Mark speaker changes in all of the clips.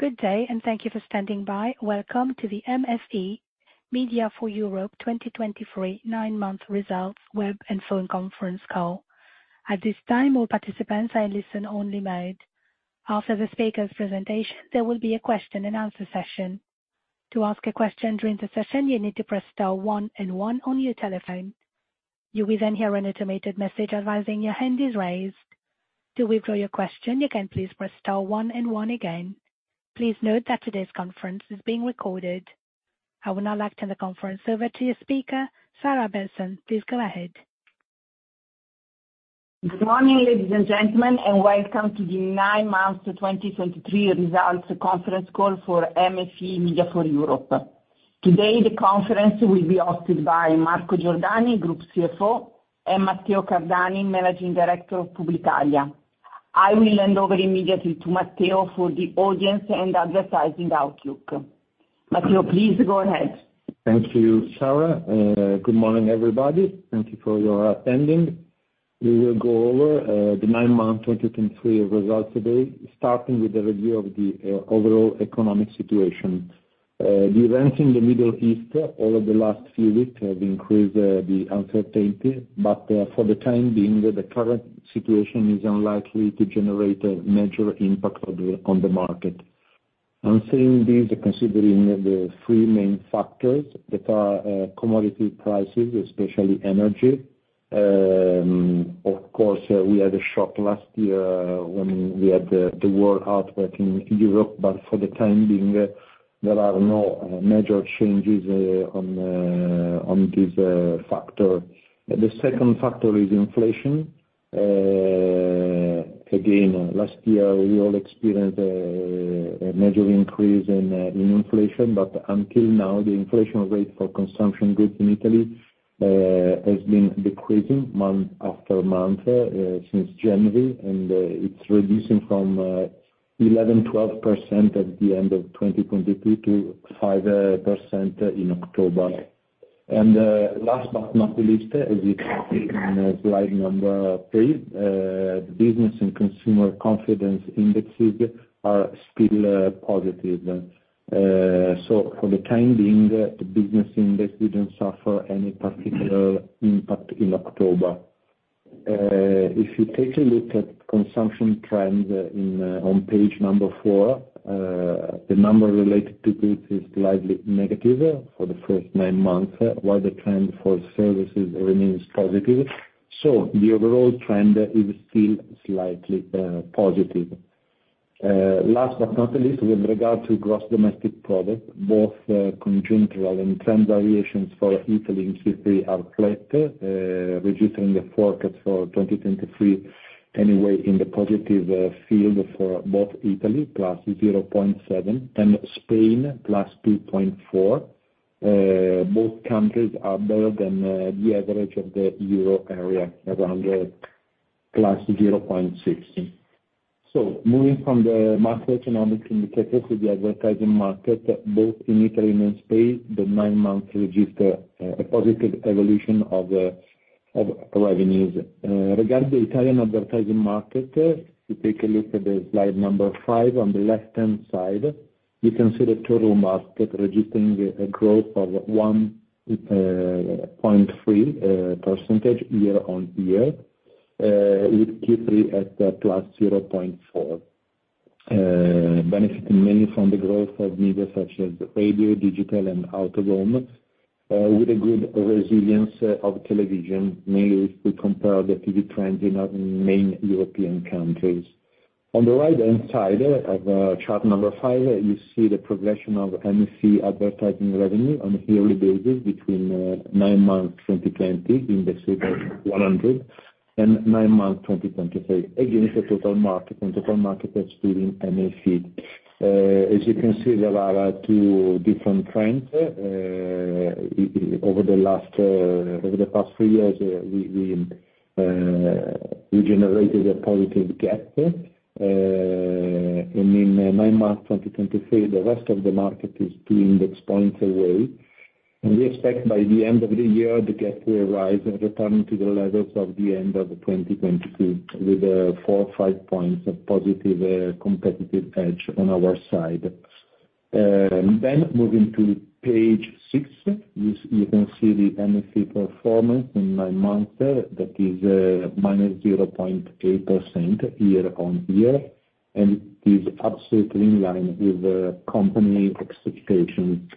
Speaker 1: Good day, and thank you for standing by. Welcome to the MFE Media for Europe 2023 nine months results web and phone conference call. At this time, all participants are in listen only mode. After the speaker's presentation, there will be a question and answer session. To ask a question during the session, you need to press star one and one on your telephone. You will then hear an automated message advising your hand is raised. To withdraw your question, you can please press star one and one again. Please note that today's conference is being recorded. I would now like to turn the conference over to your speaker, Sarah Benson. Please go ahead.
Speaker 2: Good morning, ladies and gentlemen, and welcome to the nine months to 2023 results conference call for MFE Media for Europe. Today, the conference will be hosted by Marco Giordani, Group CFO, and Matteo Cardani, Managing Director of Publitalia. I will hand over immediately to Matteo for the audience and advertising outlook. Matteo, please go ahead.
Speaker 3: Thank you, Sarah. Good morning, everybody. Thank you for your attending. We will go over the nine-month 2023 results today, starting with the review of the overall economic situation. The events in the Middle East over the last few weeks have increased the uncertainty, but for the time being, the current situation is unlikely to generate a major impact on the market. On saying this, considering the three main factors that are commodity prices, especially energy. Of course, we had a shock last year when we had the world outbreak in Europe, but for the time being, there are no major changes on this factor. The second factor is inflation. Again, last year, we all experienced a major increase in inflation, but until now, the inflation rate for consumption goods in Italy has been decreasing month after month since January, and it's reducing from 11%-12% at the end of 2022 to 5% in October. And last but not least, as you can see on slide number 3, the business and consumer confidence indexes are still positive. So for the time being, the business index didn't suffer any particular impact in October. If you take a look at consumption trends on page number four, the number related to goods is slightly negative for the first nine months, while the trend for services remains positive. So the overall trend is still slightly positive. Last but not least, with regard to gross domestic product, both conjunctural and trend variations for Italy in Q3 are flat, registering the forecast for 2023 anyway in the positive field for both Italy, +0.7, and Spain, +2.4. Both countries are better than the average of the Euro area, around +0.6. So moving from the macroeconomic indicators to the advertising market, both in Italy and in Spain, the nine months register a positive evolution of revenues. Regarding the Italian advertising market, if you take a look at the slide number five, on the left-hand side, you can see the total market registering a growth of 1.3% year-on-year, with Q3 at +0.4%, benefiting mainly from the growth of media such as radio, digital and out of home, with a good resilience of television, mainly if we compare the TV trend in other main European countries. On the right-hand side of chart number five, you see the progression of MFE advertising revenue on a yearly basis between nine months 2020, index of 100, and nine months 2023, against the total market and total market excluding MFE. As you can see, there are two different trends over the last over the past three years, we generated a positive gap, and in nine months 2023, the rest of the market is pulling the points away. And we expect by the end of the year, the gap will rise, returning to the levels of the end of 2022, with four or five points of positive competitive edge on our side. Then moving to page six, you can see the MFE performance in nine months, that is minus 0.8% year-on-year, and it is absolutely in line with the company expectations.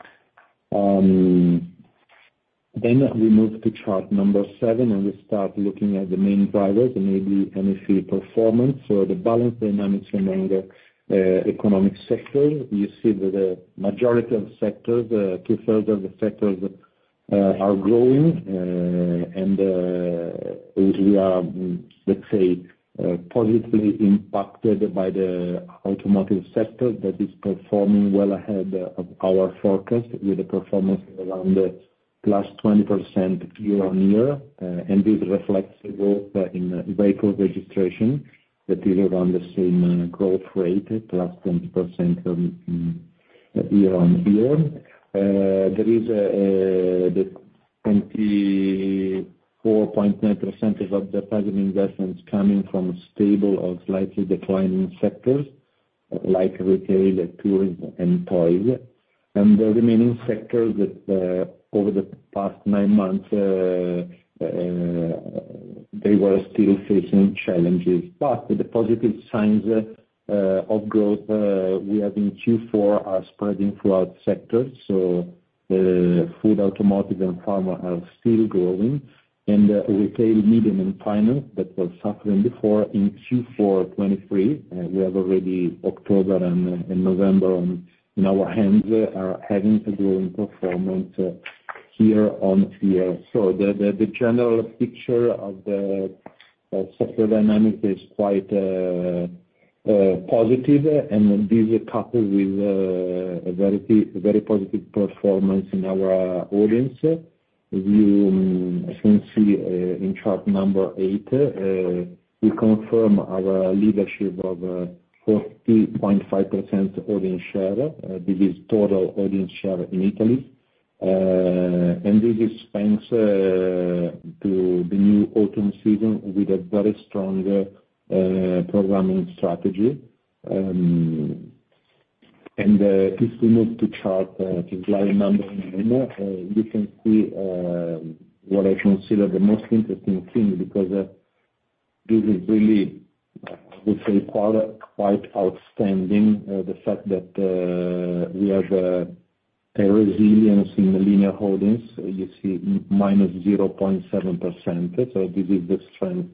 Speaker 3: Then we move to chart number 7, and we start looking at the main drivers and maybe MFE performance. So the balance dynamics remain the economic sector. You see that the majority of sectors, two-thirds of the sectors, are growing, and we are, let's say, positively impacted by the automotive sector that is performing well ahead of our forecast, with a performance around +20% year-on-year. And this reflects both in vehicle registration, that is around the same growth rate, +20% year-on-year. There is the 24.9% of the advertising investments coming from stable or slightly declining sectors, like retail, tourism, and toys. And the remaining sectors that, over the past nine months, they were still facing challenges. But the positive signs of growth we have in Q4 are spreading throughout sectors. So, food, automotive, and pharma are still growing, and retail, media, and finance that were suffering before in Q4 2023, we have already October and November in our hands, are having a growing performance, year-on-year. So the general picture of the sector dynamic is quite positive, and this is coupled with a very positive performance in our audience. We, as you can see, in chart number 8, we confirm our leadership of 40.5% audience share. This is total audience share in Italy. And this is thanks to the new autumn season with a very strong programming strategy. And, if we move to chart slide number 9, you can see what I consider the most interesting thing, because this is really, I would say, quite, quite outstanding, the fact that we have a resilience in the linear audience. You see -0.7%. So this is the strength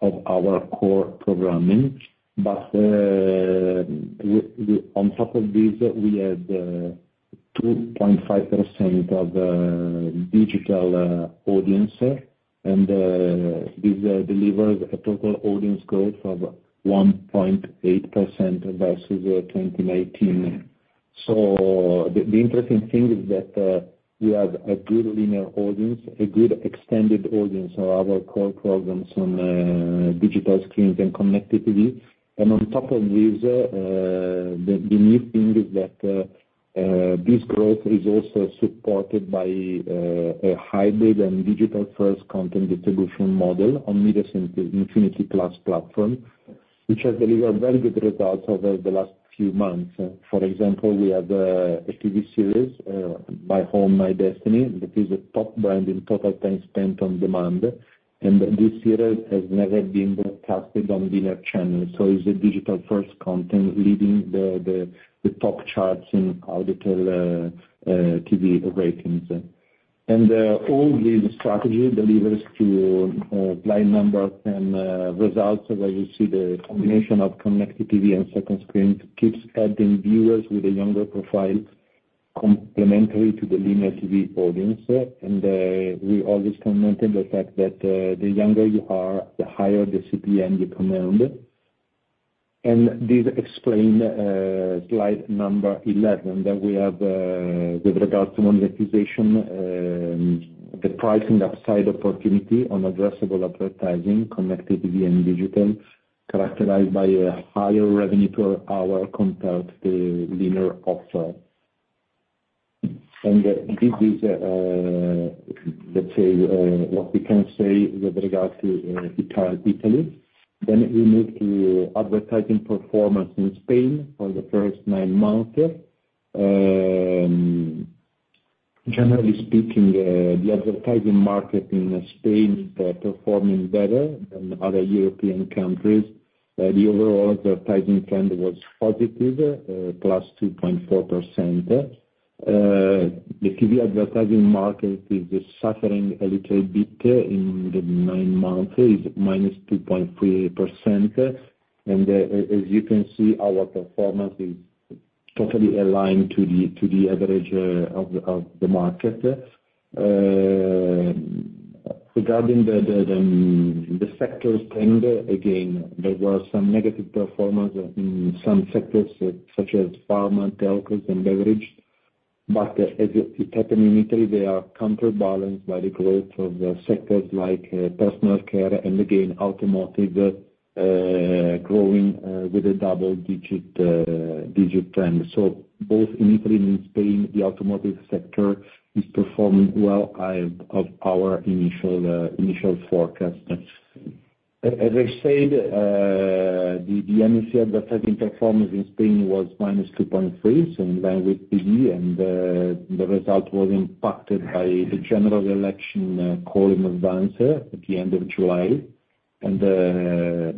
Speaker 3: of our core programming. But, on top of this, we have 2.5% of digital audience, and this delivers a total audience growth of 1.8% versus 2019. So the interesting thing is that we have a good linear audience, a good extended audience of our core programs on digital screens and connected TV. On top of this, the new thing is that this growth is also supported by a hybrid and digital first content distribution model on Mediaset Infinity+ platform, which has delivered very good results over the last few months. For example, we have a TV series, My Home, My Destiny, that is a top brand in total time spent on demand, and this series has never been broadcasted on linear channels, so it's a digital first content leading the top charts in audience TV ratings. All this strategy delivers to slide number 10 results, as you see the combination of connected TV and second screen keeps adding viewers with a younger profile complementary to the linear TV audience. And, we always commented the fact that, the younger you are, the higher the CPM you command. And this explain, slide number 11, that we have, with regard to monetization, the pricing upside opportunity on addressable advertising, connected TV and digital, characterized by a higher revenue per hour compared to linear offer. And this is, let's say, what we can say with regards to, Italy. Then we move to advertising performance in Spain for the first nine months. Generally speaking, the advertising market in Spain is, performing better than other European countries. The overall advertising trend was positive, +2.4%. The TV advertising market is suffering a little bit, in the nine months, is minus 2.3%. As you can see, our performance is totally aligned to the average of the market. Regarding the sector trend, again, there was some negative performance in some sectors, such as pharma, telcos, and beverage. But as it happened in Italy, they are counterbalanced by the growth of the sectors like personal care and again, automotive, growing with a double-digit trend. So both in Italy and in Spain, the automotive sector is performing well in excess of our initial forecast. As I said, the NFC advertising performance in Spain was -2.3, same line with TV, and the result was impacted by the general election called in advance at the end of July, and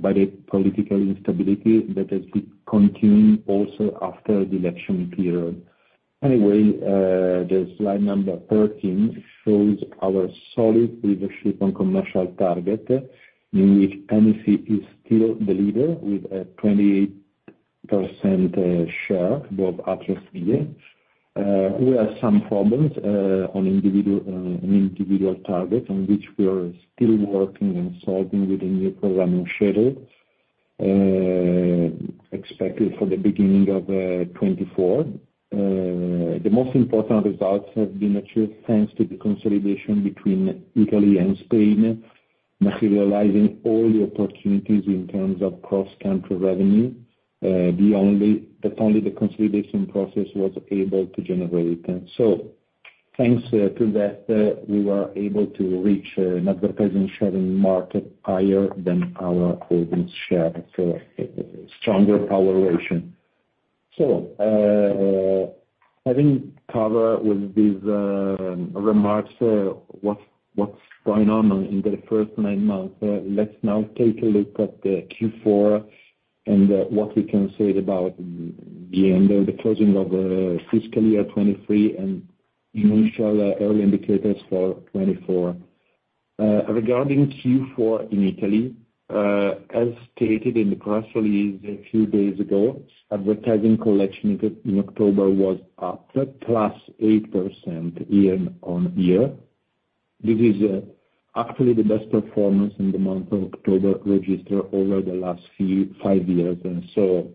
Speaker 3: by the political instability that has been continued also after the election period. Anyway, the slide number 13 shows our solid leadership on commercial target, in which NFC is still the leader with a 28% share both last year. We have some problems on individual target, on which we are still working on solving with a new programming schedule expected for the beginning of 2024. The most important results have been achieved thanks to the consolidation between Italy and Spain. materializing all the opportunities in terms of cross-country revenue, that's only the consolidation process that was able to generate them. So thanks to that, we were able to reach an advertising market share higher than our audience share, so a stronger power ratio. So, having covered with these remarks what's going on in the first nine months, let's now take a look at the Q4 and what we can say about the end or the closing of fiscal year 2023 and initial early indicators for 2024. Regarding Q4 in Italy, as stated in the press release a few days ago, advertising collection in October was up +8% year-on-year. This is actually the best performance in the month of October, registered over the last five years, and so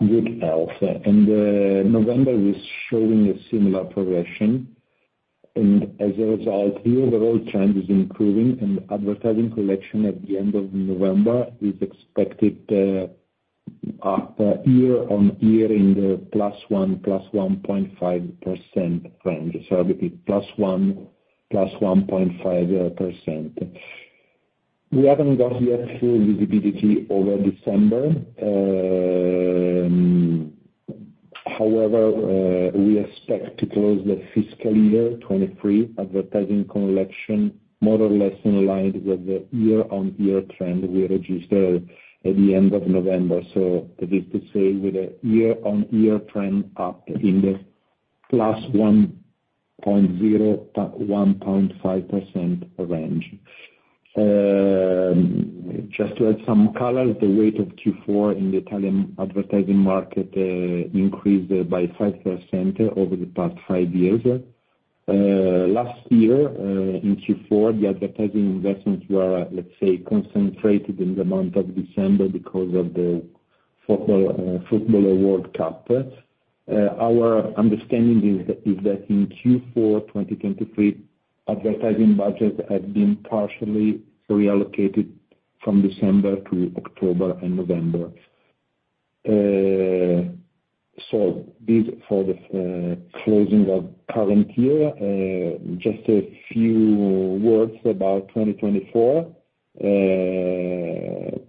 Speaker 3: good health. November is showing a similar progression, and as a result, the overall trend is improving, and advertising collection at the end of November is expected up year-on-year in the +1 to +1.5% range, so +1 to +1.5%. We haven't got yet full visibility over December. However, we expect to close the fiscal year 2023 advertising collection more or less in line with the year-on-year trend we registered at the end of November, so that is to say, with a year-on-year trend up in the +1.0% to +1.5% range. Just to add some color, the weight of Q4 in the Italian advertising market increased by 5% over the past five years. Last year, in Q4, the advertising investments were, let's say, concentrated in the month of December because of the football World Cup. Our understanding is that in Q4 2023, advertising budgets have been partially reallocated from December to October and November. So this for the closing of current year. Just a few words about 2024.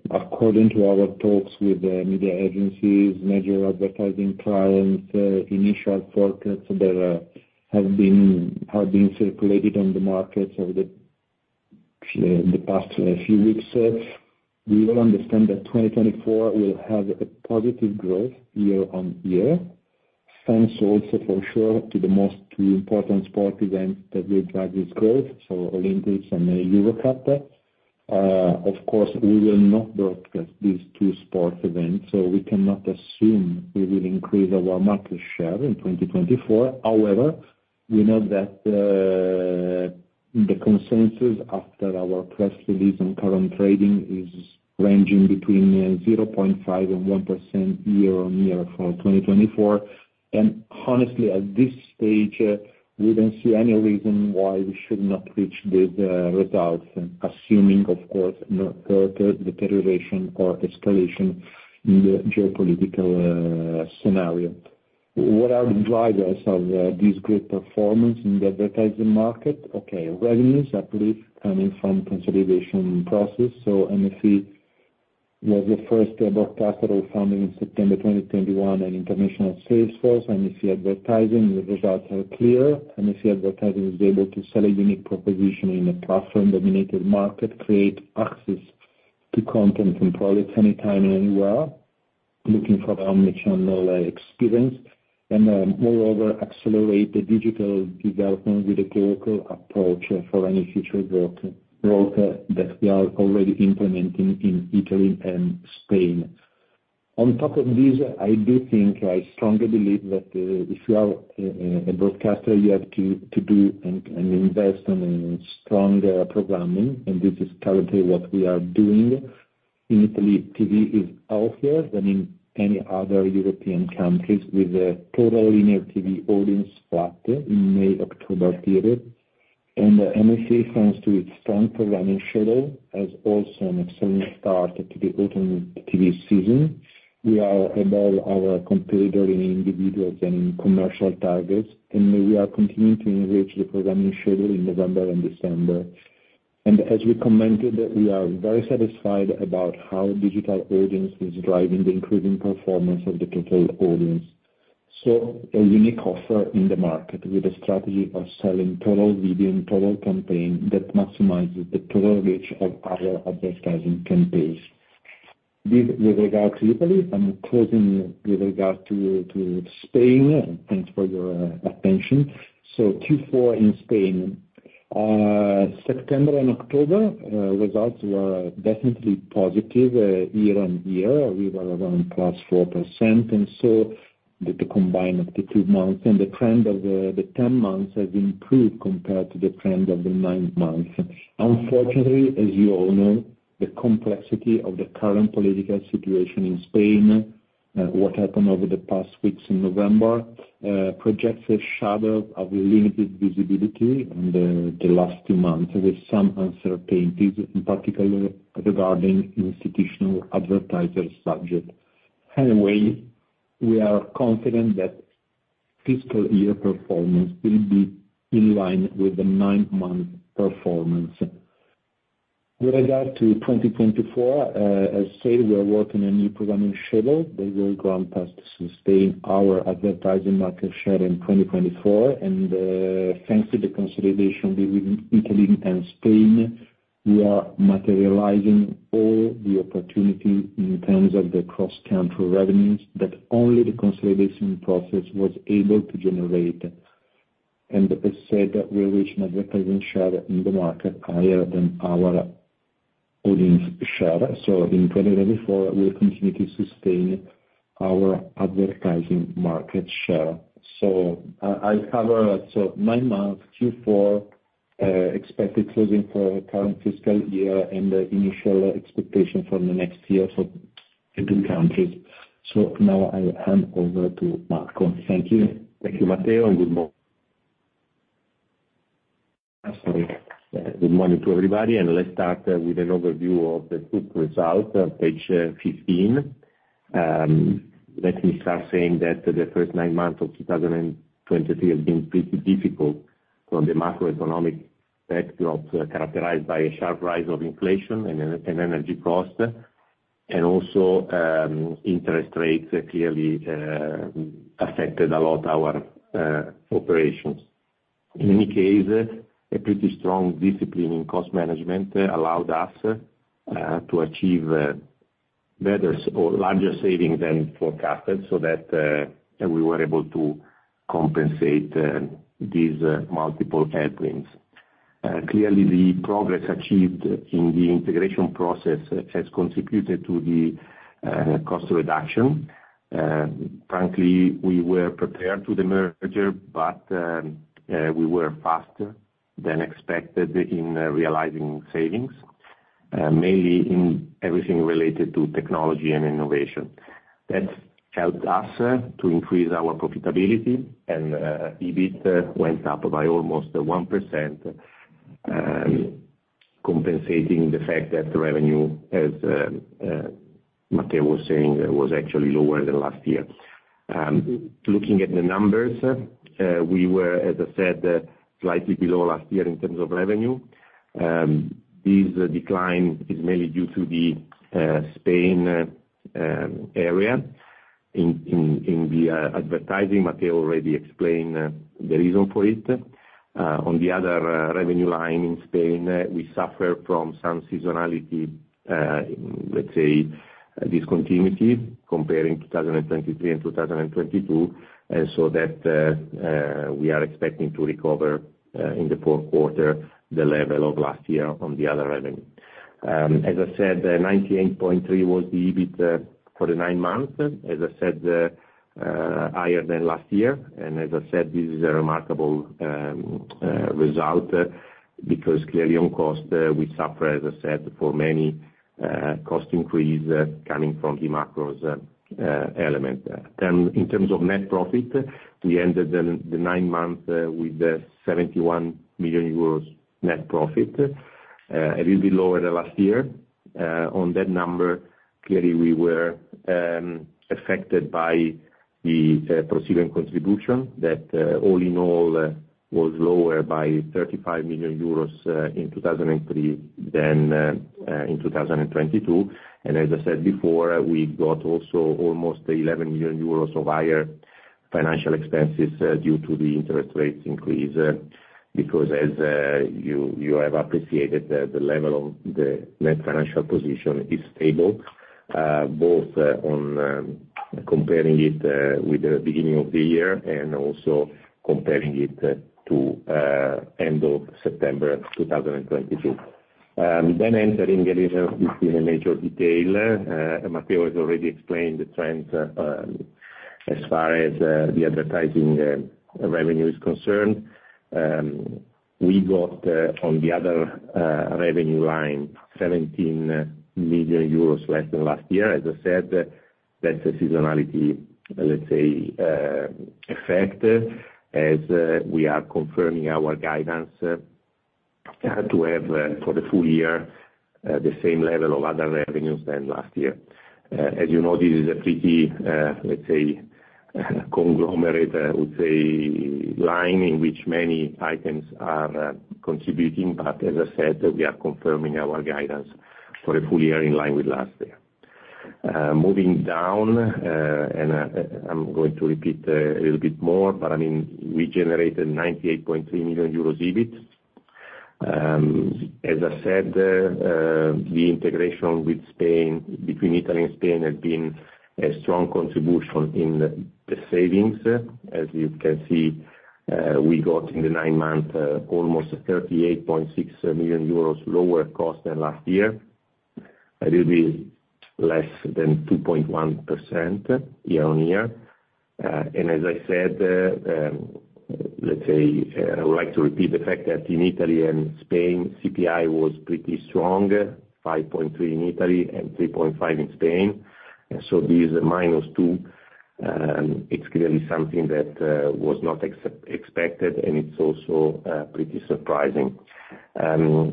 Speaker 3: According to our talks with the media agencies, major advertising clients, initial forecasts that have been circulated on the markets over the past few weeks, we all understand that 2024 will have a positive growth year-on-year, thanks also, for sure, to the most two important sport events that will drive this growth, so Olympics and the Euro Cup. Of course, we will not broadcast these two sports events, so we cannot assume we will increase our market share in 2024. However, we know that the consensus after our press release and current trading is ranging between 0.5% and 1% year-on-year for 2024. Honestly, at this stage, we don't see any reason why we should not reach these results, assuming, of course, no further deterioration or escalation in the geopolitical scenario. What are the drivers of this great performance in the advertising market? Okay, revenues, I believe, coming from consolidation process, so MFE was the first broadcaster founded in September 2021, an international sales force, MFE Advertising. The results are clear. MFE Advertising was able to sell a unique proposition in a platform-dominated market, create access to content and products anytime, anywhere, looking for the omni-channel experience, and, moreover, accelerate the digital development with a clear approach for any future growth, growth that we are already implementing in Italy and Spain. On top of this, I do think, I strongly believe that if you are a broadcaster, you have to do and invest on a stronger programming, and this is currently what we are doing. In Italy, TV is healthier than in any other European countries, with a total linear TV audience flat in the May-October period. And MFE, thanks to its strong programming schedule, has also an excellent start to the autumn TV season. We are above our competitor in individuals and commercial targets, and we are continuing to enrich the programming schedule in November and December. And as we commented, we are very satisfied about how digital audience is driving the improving performance of the total audience. So a unique offer in the market with a strategy of selling total video and total campaign that maximizes the total reach of our advertising campaigns. With regards to Italy, I'm closing with regard to Spain, and thanks for your attention. So Q4 in Spain. September and October results were definitely positive year-on-year. We were around +4%, and so the combined of the two months and the trend of the 10 months has improved compared to the trend of the nine-month. Unfortunately, as you all know, the complexity of the current political situation in Spain, what happened over the past weeks in November projects a shadow of limited visibility in the last two months, with some uncertainties, in particular regarding institutional advertiser subject. Anyway, we are confident that fiscal year performance will be in line with the nine-month performance. With regard to 2024, as said, we are working a new programming schedule that will go on past to sustain our advertising market share in 2024, and, thanks to the consolidation with Italy and Spain, we are materializing all the opportunity in terms of the cross-country revenues that only the consolidation process was able to generate. And as said, we reach an advertising share in the market higher than our audience share. So in 2024, we'll continue to sustain our advertising market share. So, I've covered, so nine months, Q4, expected closing for current fiscal year, and initial expectation for the next year for the two countries. So now I hand over to Marco. Thank you.
Speaker 4: Thank you, Matteo, and good morning to everybody, and let's start with an overview of the group result, page 15. Let me start saying that the first nine months of 2023 have been pretty difficult from the macroeconomic backdrop, characterized by a sharp rise of inflation and energy costs, and also interest rates clearly affected a lot our operations. In any case, a pretty strong discipline in cost management allowed us to achieve better or larger savings than forecasted, so that we were able to compensate these multiple headwinds. Clearly, the progress achieved in the integration process has contributed to the cost reduction. Frankly, we were prepared to the merger, but we were faster than expected in realizing savings, mainly in everything related to technology and innovation. That helped us to increase our profitability, and EBIT went up by almost 1%, compensating the fact that the revenue, as Matteo was saying, was actually lower than last year. Looking at the numbers, we were, as I said, slightly below last year in terms of revenue. This decline is mainly due to the Spain area. In the advertising, Matteo already explained the reason for it. On the other revenue line in Spain, we suffer from some seasonality, let's say, discontinuity comparing 2023 and 2022, and so that we are expecting to recover in the fourth quarter, the level of last year on the other revenue. As I said, 98.3 was the EBIT for the nine months. As I said, higher than last year, and as I said, this is a remarkable result, because clearly on cost, we suffer, as I said, for many cost increase coming from the macros element. In terms of net profit, we ended the nine months with 71 million euros net profit, a little bit lower than last year. On that number, clearly, we were affected by the ProSieben contribution that, all in all, was lower by 35 million euros in 2023 than in 2022. As I said before, we got also almost 11 million euros of higher financial expenses, due to the interest rates increase, because as you have appreciated, the level of the net financial position is stable, both on comparing it with the beginning of the year and also comparing it to end of September 2022. Entering in a major detail, Matteo has already explained the trends, as far as the advertising revenue is concerned. We got on the other revenue line, 17 million euros less than last year. As I said, that's a seasonality, let's say, effect, as we are confirming our guidance to have for the full year the same level of other revenues than last year. As you know, this is a pretty, let's say, conglomerate, I would say, line, in which many items are contributing, but as I said, we are confirming our guidance for a full year in line with last year. Moving down, and I'm going to repeat a little bit more, but I mean, we generated 98.3 million euros EBIT. As I said, the integration with Spain, between Italy and Spain has been a strong contribution in the savings. As you can see, we got in the nine months almost 38.6 million euros lower cost than last year. It will be less than 2.1% year-on-year. And as I said, let's say, I would like to repeat the fact that in Italy and Spain, CPI was pretty strong, 5.3 in Italy and 3.5 in Spain. And so this -2, it's clearly something that was not expected, and it's also pretty surprising.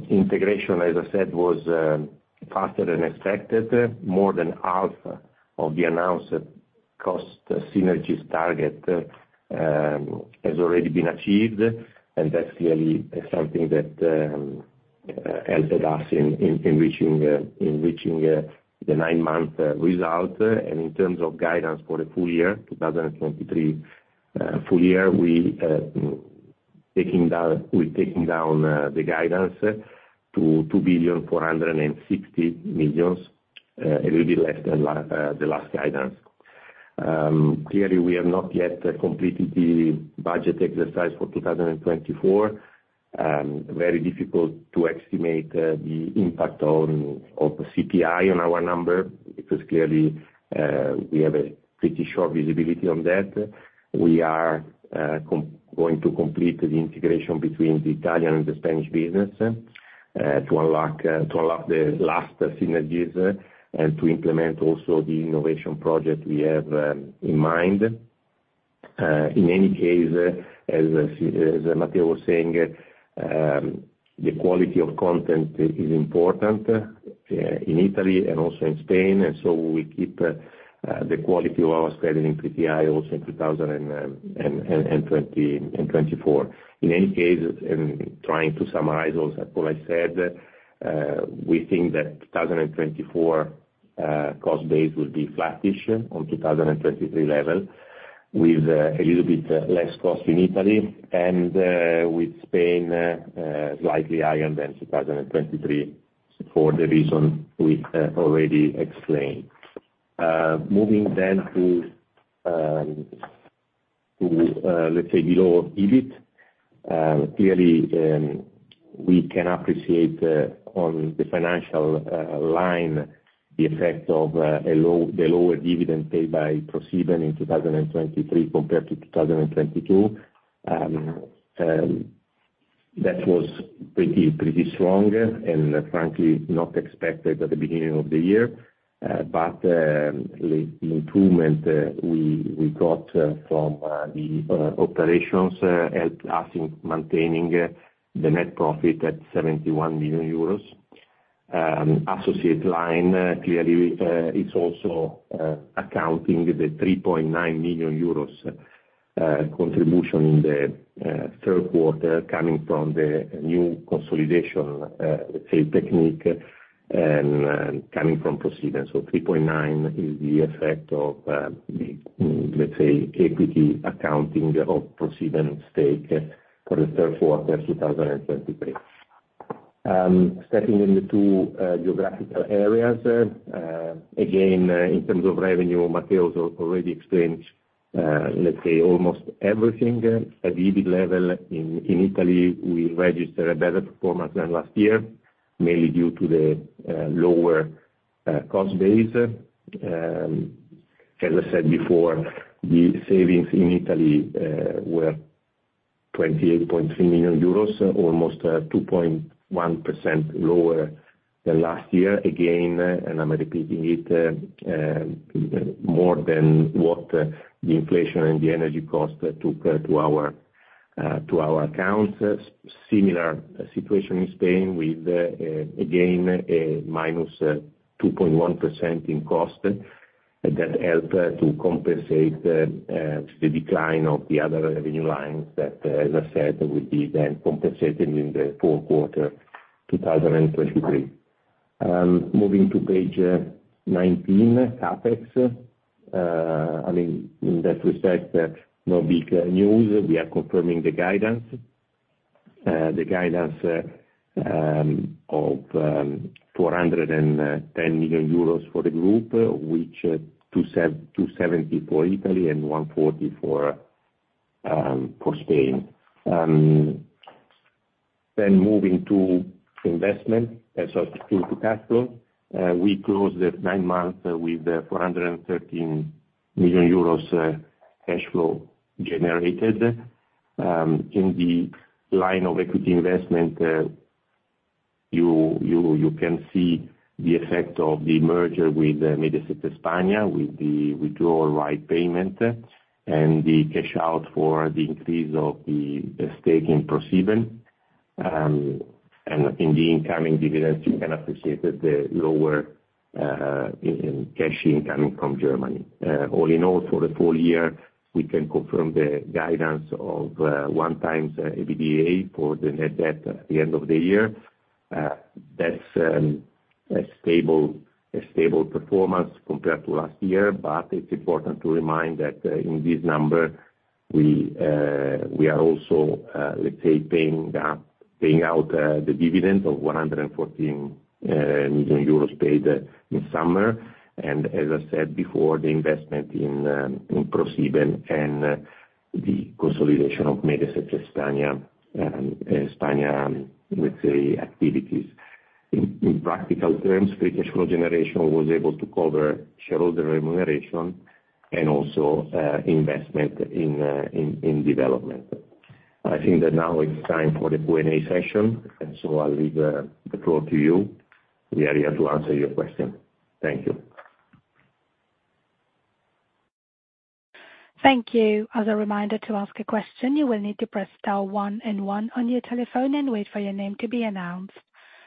Speaker 4: Integration, as I said, was faster than expected. More than half of the announced cost synergies target has already been achieved, and that's clearly something that helped us in reaching the nine-month result. And in terms of guidance for the full year 2023, full year, we're taking down the guidance to 2.46 billion, a little bit less than the last guidance. Clearly, we have not yet completed the budget exercise for 2024. Very difficult to estimate the impact of the CPI on our number, because clearly, we have a pretty short visibility on that. We are going to complete the integration between the Italian and the Spanish business to unlock the last synergies, and to implement also the innovation project we have in mind. In any case, as Matteo was saying, the quality of content is important in Italy and also in Spain, and so we keep the quality of our spending in PPI also in 2024. In any case, in trying to summarize all, all I said, we think that 2024 cost base will be flattish on 2023 level, with a little bit less cost in Italy and with Spain slightly higher than 2023 for the reason we already explained. Moving then to, let's say, below EBIT. Clearly, we can appreciate on the financial line the effect of the lower dividend paid by ProSieben in 2023 compared to 2022. That was pretty, pretty strong, and frankly, not expected at the beginning of the year. But the improvement we got from the operations helped us in maintaining the net profit at 71 million euros. Associated line, clearly, it's also accounting the 3.9 million euros contribution in the third quarter, coming from the new consolidation, let's say, technique, and coming from ProSieben. So 3.9 is the effect of the, let's say, equity accounting of ProSieben stake for the third quarter of 2023. Stepping in the two geographical areas, again, in terms of revenue, Matteo's already explained, let's say, almost everything. At the EBIT level, in Italy, we registered a better performance than last year, mainly due to the lower cost base. As I said before, the savings in Italy were 28.3 million euros, almost 2.1% lower than last year. Again, I'm repeating it, more than what the inflation and the energy cost took to our accounts. Similar situation in Spain with again, a -2.1% in cost. That helped to compensate the decline of the other revenue lines that, as I said, would be then compensated in the fourth quarter 2023. Moving to page 19, CapEx. I mean, in that respect, no big news. We are confirming the guidance of 410 million euros for the group, which 270 for Italy and 140 for Spain. Moving to investment, so to cash flow, we closed the nine months with 413 million euros cash flow generated. In the line of equity investment, you can see the effect of the merger with Mediaset España, with the withdrawal right payment, and the cash out for the increase of the stake in ProSieben. And in the incoming dividends, you can appreciate the lower in cash incoming from Germany. All in all, for the full year, we can confirm the guidance of 1x EBITDA for the net debt at the end of the year. That's a stable performance compared to last year, but it's important to remind that in this number, we are also, let's say, paying up, paying out the dividend of 114 million euros paid in summer. As I said before, the investment in ProSiebenSat.1 and the consolidation of Mediaset España, let's say, activities....
Speaker 3: In practical terms, free cash flow generation was able to cover shareholder remuneration and also investment in development. I think that now it's time for the Q&A session, and so I'll leave the floor to you. We are here to answer your question. Thank you.
Speaker 1: Thank you. As a reminder, to ask a question, you will need to press star one and one on your telephone and wait for your name to be announced.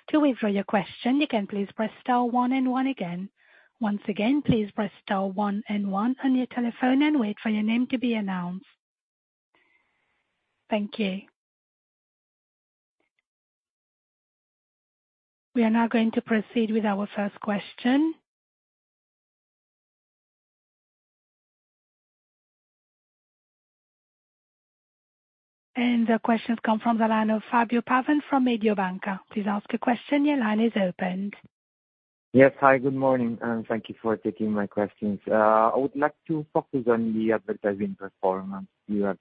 Speaker 1: To withdraw your question, you can please press star one and one again. Once again, please press star one and one on your telephone and wait for your name to be announced. Thank you. We are now going to proceed with our first question. The question's come from the line of Fabio Pavan from Mediobanca. Please ask a question. Your line is open.
Speaker 5: Yes. Hi, good morning, and thank you for taking my questions. I would like to focus on the advertising performance you have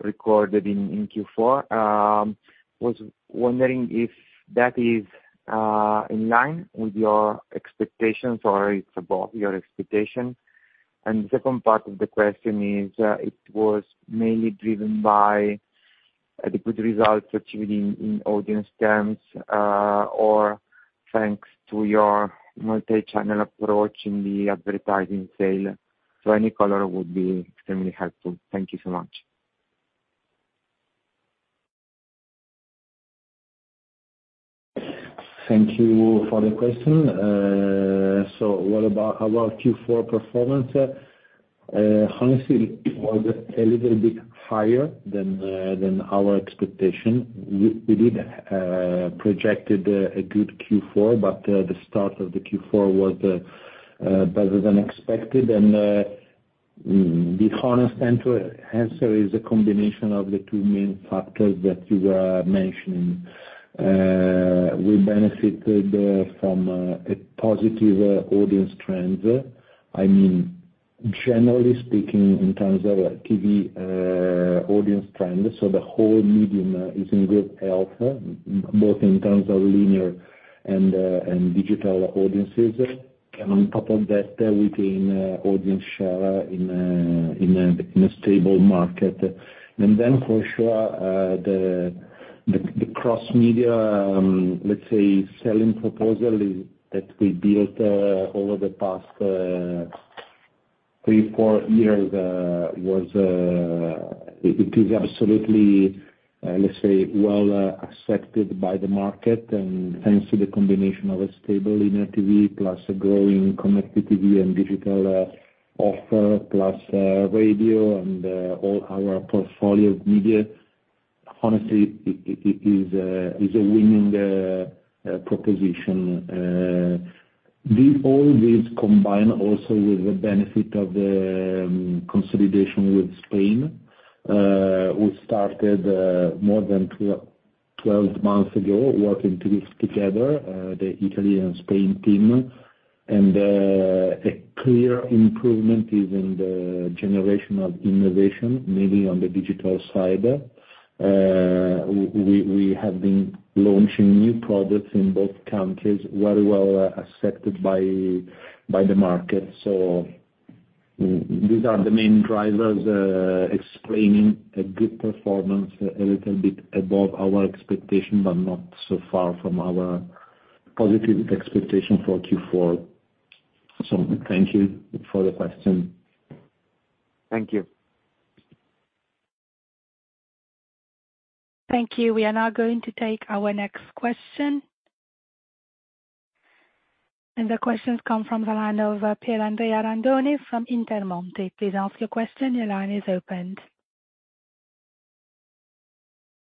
Speaker 5: recorded in Q4. I was wondering if that is in line with your expectations or it's above your expectation? And the second part of the question is, it was mainly driven by the good results achieved in audience terms or thanks to your multi-channel approach in the advertising sale. So any color would be extremely helpful. Thank you so much.
Speaker 3: Thank you for the question. So what about our Q4 performance? Honestly, it was a little bit higher than our expectation. We projected a good Q4, but the start of the Q4 was better than expected. To be honest, and to answer, is a combination of the two main factors that you were mentioning. We benefited from a positive audience trends. I mean, generally speaking, in terms of TV audience trends, so the whole medium is in good health, both in terms of linear and digital audiences. And on top of that, we gain audience share in a stable market. And then for sure, the cross-media, let's say, selling proposal that we built over the past three to four years is absolutely, let's say, well, accepted by the market. And thanks to the combination of a stable Linear TV, plus a growing Connected TV and digital offer, plus radio and all our portfolio of media, honestly, it is a winning proposition. All this combined also with the benefit of the consolidation with Spain, we started more than 12 months ago working together, the Italy and Spain team. And a clear improvement is in the generation of innovation, mainly on the digital side. We have been launching new products in both countries, very well accepted by the market. So these are the main drivers explaining a good performance, a little bit above our expectation, but not so far from our positive expectation for Q4. So thank you for the question.
Speaker 5: Thank you.
Speaker 1: Thank you. We are now going to take our next question. The question's come from the line of Andrea Randone from Intermonte. Please ask your question. Your line is opened.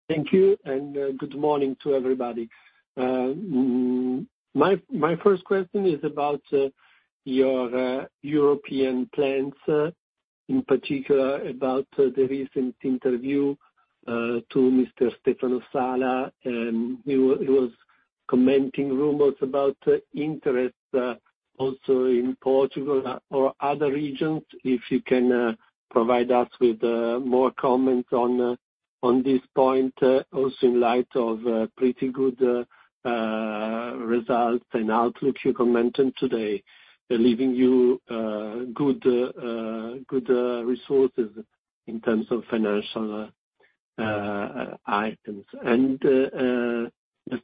Speaker 6: Thank you, and good morning to everybody. My first question is about your European plans, in particular about the recent interview to Mr. Stefano Sala, and he was commenting rumors about interest also in Portugal or other regions. If you can provide us with more comments on this point, also in light of pretty good results and outlook you commented today, leaving you good resources in terms of financial items. And the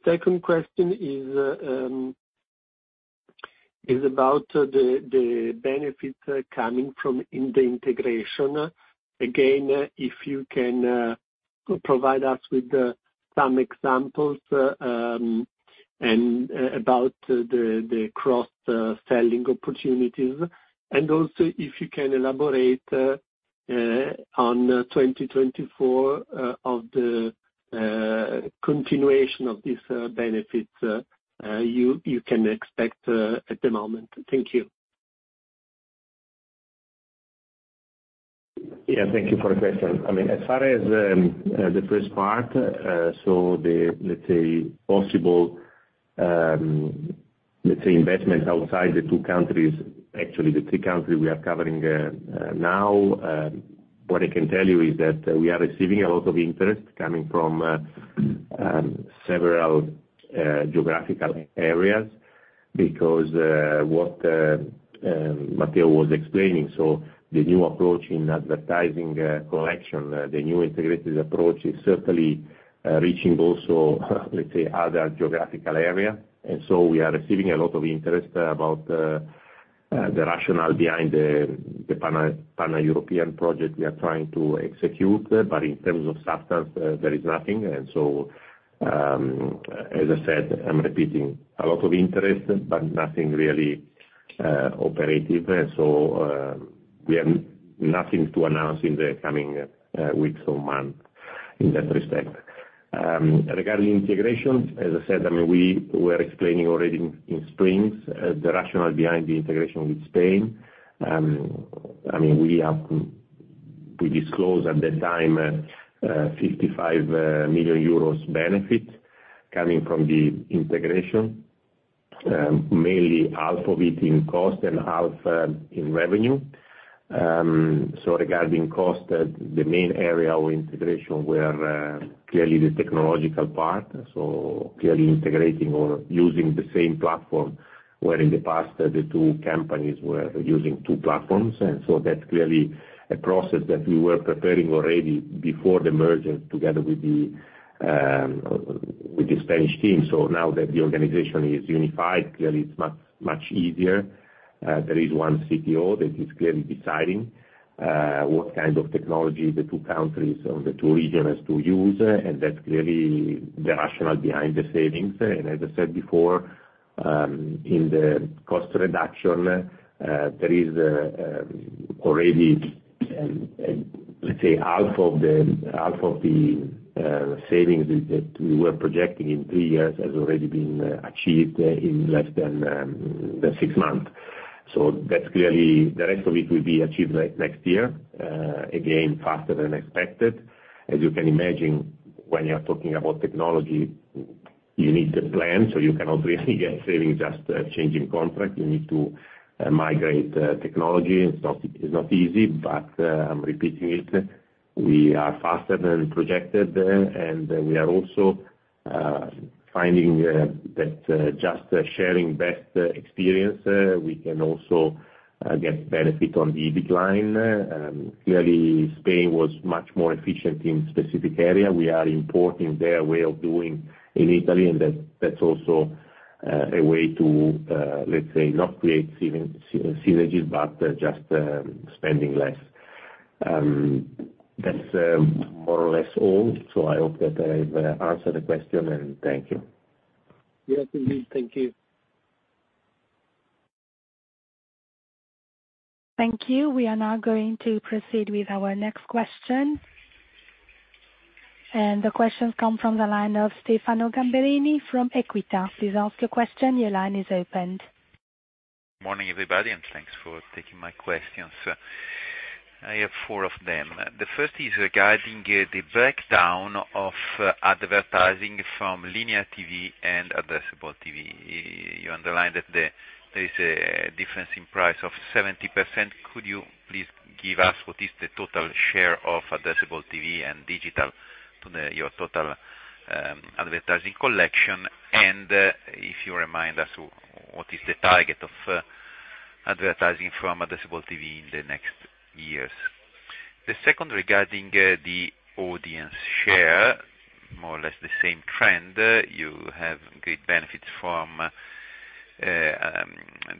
Speaker 6: second question is about the benefits coming from in the integration. Again, if you can provide us with some examples, and about the cross selling opportunities, and also if you can elaborate on 2024 of the continuation of this benefits you can expect at the moment. Thank you.
Speaker 3: Yeah, thank you for the question. I mean, as far as the first part, so the, let's say, possible-...
Speaker 4: Let's say, investments outside the two countries, actually, the three countries we are covering, now. What I can tell you is that we are receiving a lot of interest coming from several geographical areas because what Matteo was explaining. So the new approach in advertising collection, the new integrated approach is certainly reaching also, let's say, other geographical area. And so we are receiving a lot of interest about the rationale behind the pan-European project we are trying to execute. But in terms of substance, there is nothing. And so, as I said, I'm repeating a lot of interest, but nothing really operative. So, we have nothing to announce in the coming weeks or months in that respect. Regarding integration, as I said, I mean, we were explaining already in spring, the rationale behind the integration with Spain. I mean, we have disclosed at that time, 55 million euros benefit coming from the integration, mainly half of it in cost and half in revenue. So regarding cost, the main area of integration were clearly the technological part, so clearly integrating or using the same platform, where in the past, the two companies were using two platforms. And so that's clearly a process that we were preparing already before the merger, together with the Spanish team. So now that the organization is unified, clearly it's much, much easier. There is one CTO that is clearly deciding what kind of technology the two countries or the two regions to use, and that's clearly the rationale behind the savings. And as I said before, in the cost reduction, there is already, let's say, half of the savings that we were projecting in three years has already been achieved in less than than six months. So that's clearly... The rest of it will be achieved by next year, again, faster than expected. As you can imagine, when you are talking about technology, you need to plan, so you cannot really get savings just changing contract. You need to migrate technology. It's not easy, but I'm repeating it. We are faster than projected, and we are also finding that just sharing best experience, we can also get benefit on the decline. Clearly, Spain was much more efficient in specific area. We are importing their way of doing in Italy, and that, that's also a way to, let's say, not create synergies, but just spending less. That's more or less all. So I hope that I've answered the question, and thank you.
Speaker 6: Yeah, indeed. Thank you.
Speaker 1: Thank you. We are now going to proceed with our next question. And the question comes from the line of Stefano Gamberini from Equita. Please ask your question. Your line is opened.
Speaker 7: Morning, everybody, and thanks for taking my questions. I have four of them. The first is regarding the breakdown of advertising from linear TV and addressable TV. You underline that there is a difference in price of 70%. Could you please give us what is the total share of addressable TV and digital to the, your total, advertising collection? And, if you remind us, what is the target of advertising from addressable TV in the next years? The second, regarding the audience share, more or less the same trend, you have great benefits from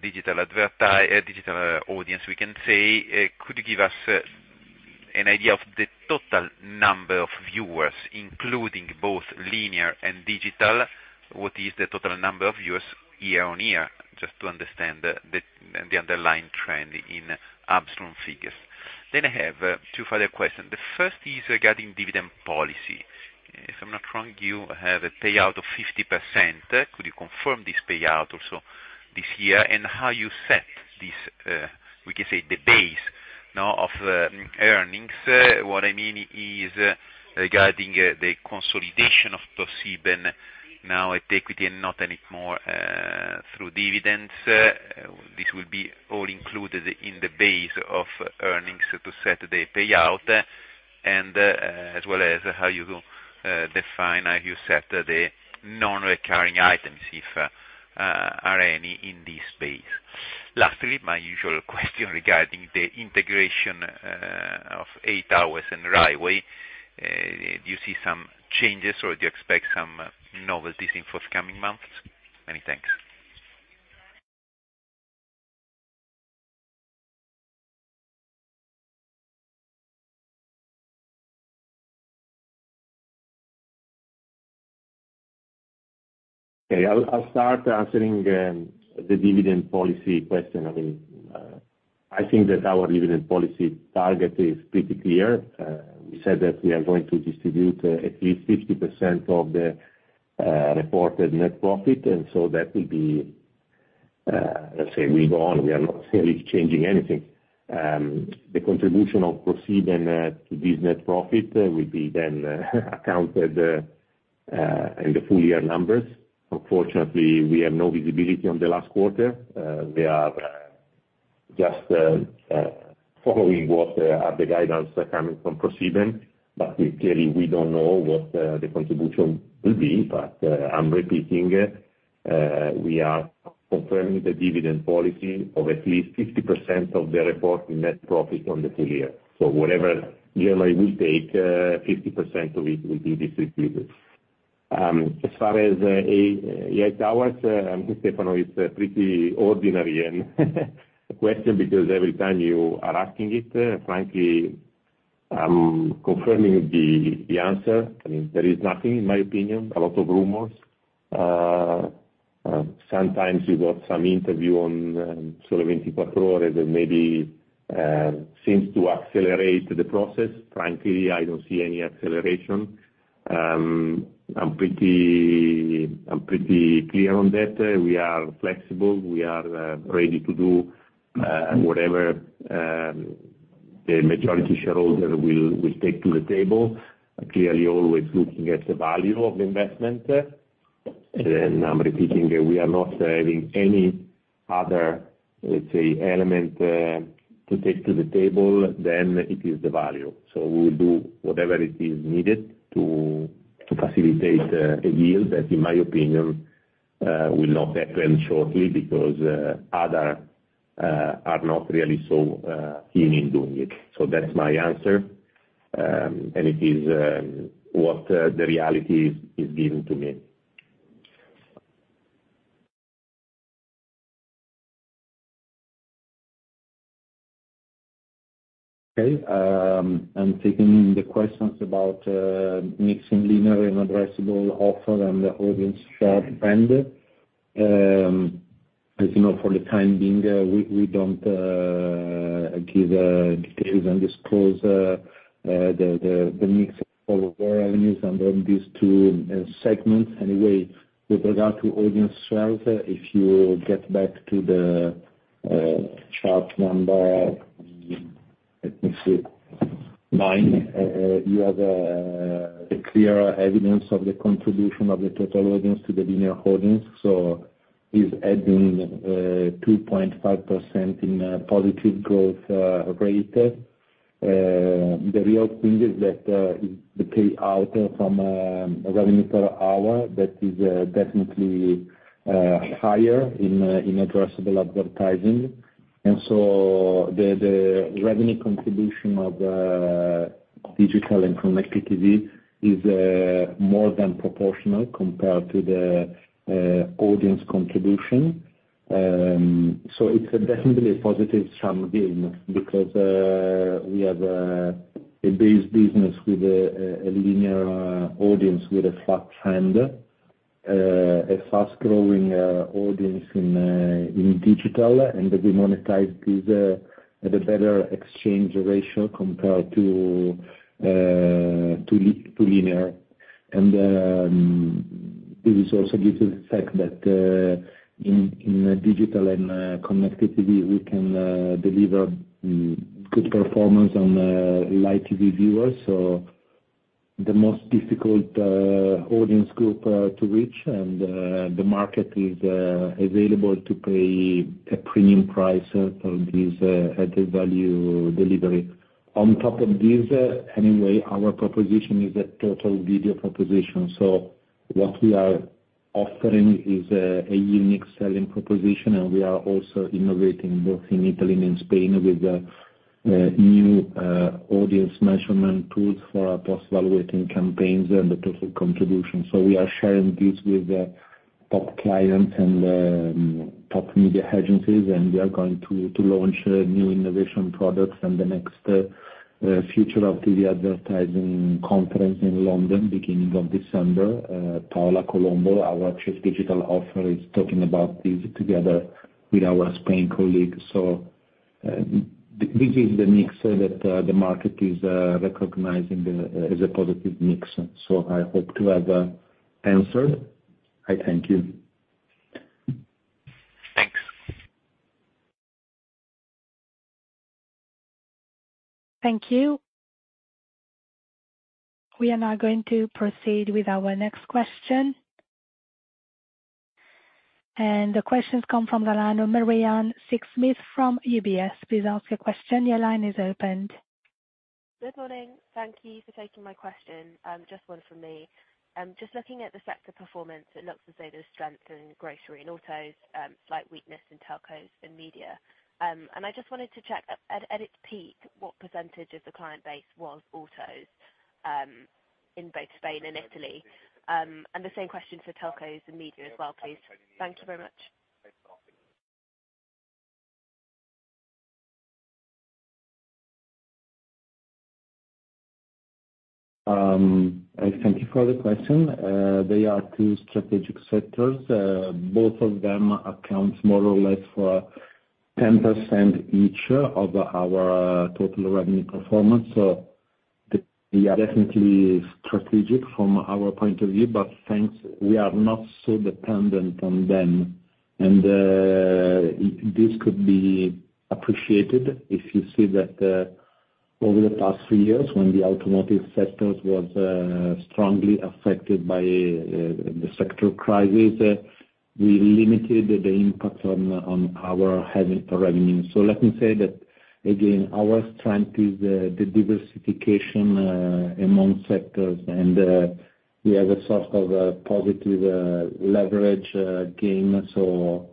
Speaker 7: digital audience, we can say. Could you give us an idea of the total number of viewers, including both linear and digital? What is the total number of viewers year-on-year, just to understand the underlying trend in absolute figures. Then I have two further questions. The first is regarding dividend policy. If I'm not wrong, you have a payout of 50%. Could you confirm this payout also this year, and how you set this base of earnings? What I mean is, regarding the consolidation of ProSieben, now equity and not any more through dividends. This will be all included in the base of earnings to set the payout, and as well as how you define, how you set the non-recurring items, if there are any in this space. Lastly, my usual question regarding the integration of EI Towers and Rai Way. Do you see some changes, or do you expect some novelties in forthcoming months? Many thanks.
Speaker 4: Okay. I'll start answering the dividend policy question. I mean, I think that our dividend policy target is pretty clear. We said that we are going to distribute at least 50% of the reported net profit, and so that will be, let's say, we go on. We are not really changing anything....
Speaker 3: the contribution of ProSiebenSat.1 to this net profit will be then accounted in the full year numbers. Unfortunately, we have no visibility on the last quarter. We are just following what the guidance coming from ProSiebenSat.1, but we clearly, we don't know what the contribution will be. But, I'm repeating, we are confirming the dividend policy of at least 50% of the reported net profit on the full year. So whatever yearly we take, 50% of it will be distributed. As far as eight hours, Stefano, it's a pretty ordinary and question, because every time you are asking it, frankly, I'm confirming the, the answer. I mean, there is nothing, in my opinion, a lot of rumors. Sometimes you got some interview on Sole 24 Ore, that maybe seems to accelerate the process. Frankly, I don't see any acceleration. I'm pretty, I'm pretty clear on that. We are flexible. We are ready to do whatever the majority shareholder will take to the table. Clearly, always looking at the value of the investment. And I'm repeating, we are not having any other, let's say, element to take to the table than it is the value. So we will do whatever it is needed to facilitate a deal that, in my opinion, will not happen shortly because other are not really so keen in doing it. So that's my answer. And it is what the reality is given to me. Okay, I'm taking the questions about mixing linear and addressable offer and the audience share trend. As you know, for the time being, we don't give details and disclose the mix of our revenues under these two segments. Anyway, with regard to audience wealth, if you get back to the chart number, let me see, nine, you have a clear evidence of the contribution of the total audience to the linear audience. So is adding 2.5% in positive growth rate. The real thing is that the pay out from revenue per hour, that is definitely higher in addressable advertising. And so the revenue contribution of digital and connected TV is more than proportional compared to the audience contribution. So it's definitely a positive sum game because we have a base business with a linear audience, with a flat trend, a fast growing audience in digital. And we monetize with a better exchange ratio compared to linear. And this is also due to the fact that in digital and connected TV, we can deliver good performance on live TV viewers. So the most difficult audience group to reach, and the market is available to pay a premium price for this added value delivery. On top of this, anyway, our proposition is a total video proposition. So what we are offering is a unique selling proposition, and we are also innovating both in Italy and Spain, with new audience measurement tools for us evaluating campaigns and the total contribution. So we are sharing this with top clients and top media agencies, and we are going to launch new innovation products in the next Future of TV Advertising conference in London, beginning of December. Paola Colombo, our Chief Digital Officer, is talking about this together with our Spain colleagues. So this is the mix that the market is recognizing as a positive mix. So I hope to have answered. I thank you.
Speaker 7: Thanks.
Speaker 1: Thank you. We are now going to proceed with our next question. The question comes from the line of Marianna Sick-Smith, from UBS. Please ask your question. Your line is opened.
Speaker 8: Good morning. Thank you for taking my question. Just one from me. Just looking at the sector performance, it looks as though there's strength in grocery and autos, slight weakness in telcos and media. And I just wanted to check, at its peak, what percentage of the client base was autos, in both Spain and Italy? And the same question for telcos and media as well, please. Thank you very much.
Speaker 3: I thank you for the question. They are two strategic sectors. Both of them account more or less for 10% each of our total revenue performance. They are definitely strategic from our point of view, but thanks, we are not so dependent on them. This could be appreciated if you see that, over the past three years, when the automotive sectors was, strongly affected by, the sector crisis, we limited the impact on our revenue. So let me say that again, our strength is the diversification among sectors, and we have a sort of a positive leverage gain. So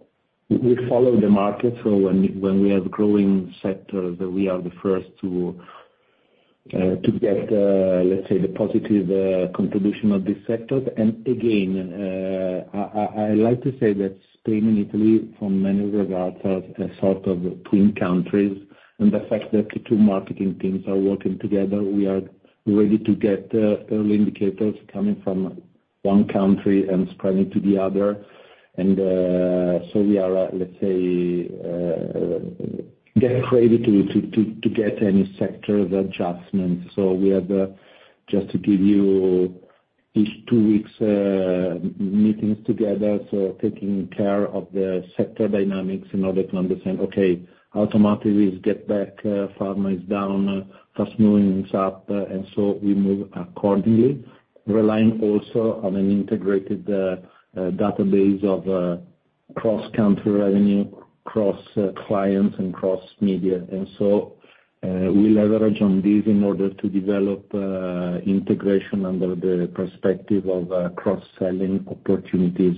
Speaker 3: we follow the market, so when we have growing sectors, we are the first to get, let's say, the positive contribution of this sector. And again, I like to say that Spain and Italy, from many regards, are a sort of twin countries, and the fact that the two marketing teams are working together, we are ready to get early indicators coming from one country and spreading to the other. And so we are, let's say, get ready to get any sector adjustments. So we have just to give you each two weeks meetings together, so taking care of the sector dynamics in order to understand, okay, automotive is get back, pharma is down, fast moving is up, and so we move accordingly, relying also on an integrated database of cross-country revenue, cross-clients and cross-media. And so we leverage on this in order to develop integration under the perspective of cross-selling opportunities,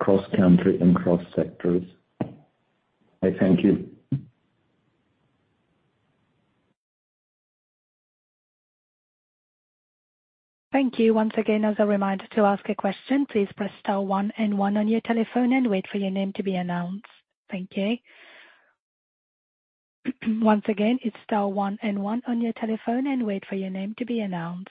Speaker 3: cross-country and cross-sectors. I thank you.
Speaker 1: Thank you. Once again, as a reminder, to ask a question, please press star one and one on your telephone and wait for your name to be announced. Thank you. Once again, it's star one and one on your telephone and wait for your name to be announced.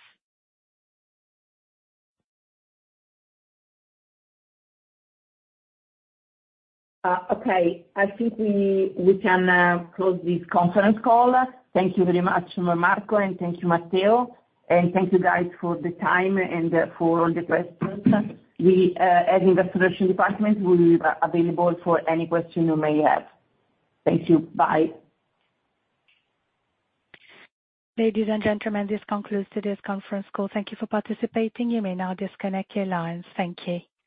Speaker 2: Okay, I think we can close this conference call. Thank you very much, Marco, and thank you, Matteo. And thank you, guys, for the time and for all the questions. We at investor relations department, we'll be available for any question you may have. Thank you. Bye.
Speaker 1: Ladies and gentlemen, this concludes today's conference call. Thank you for participating. You may now disconnect your lines. Thank you.